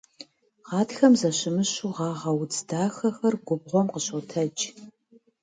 Гъатхэм зэщымыщу гъэгъа удз дахэхэр губгъуэм къыщотэдж.